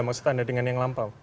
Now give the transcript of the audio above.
maksud anda dengan yang lampau